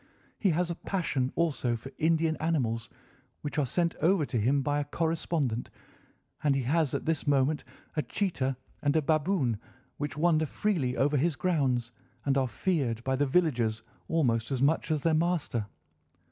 He has a passion also for Indian animals, which are sent over to him by a correspondent, and he has at this moment a cheetah and a baboon, which wander freely over his grounds and are feared by the villagers almost as much as their master.